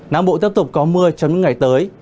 nam bộ tiếp tục có mưa trong những ngày tới